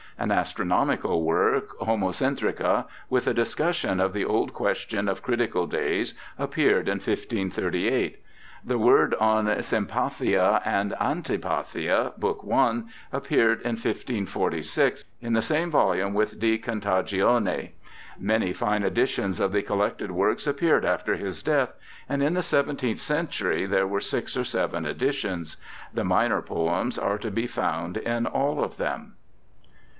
An astronomical work, Homo centrical with a discussion of the old question of critical days, appeared in 1538. The work on Sympathia and Antipathia, Bk. I, appeared in 1546 in the same volume with De Contagione. Many fine editions of the collected works appeared after his death, and in the seventeenth century there were six or seven editions. The minor poems are to be found in all of them.